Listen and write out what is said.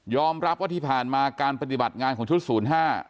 ยอมรับว่าที่ผ่านมาการปฏิบัติงานของชุด๐๕